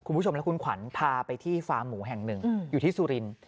คุณผู้ชมและคุณขวัญพาไปที่ฟาร์มหมูแห่งหนึ่งอยู่ที่สุรินทร์